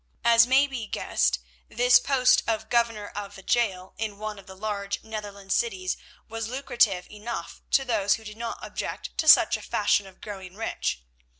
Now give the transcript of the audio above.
As may be guessed, this post of governor of a gaol in one of the large Netherland cities was lucrative enough to those who did not object to such a fashion of growing rich.